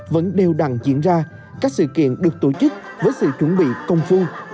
vẫn đều đằng diễn ra các sự kiện được tổ chức với sự chuẩn bị công phức